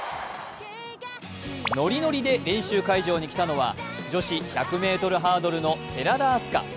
ノリノリで練習会場に来たのは女子１００ｍハードルの寺田明日香。